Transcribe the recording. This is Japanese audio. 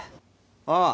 ああ。